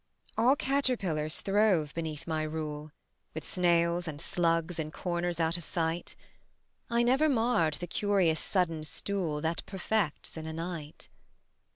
All caterpillars throve beneath my rule, With snails and slugs in corners out of sight; I never marred the curious sudden stool That perfects in a night.